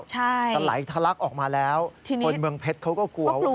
ใช่จะไหลทะลักออกมาแล้วคนเมืองเพชรเขาก็กลัวว่า